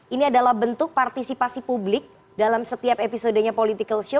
ini adalah bentuk partisipasi publik dalam setiap episodenya political show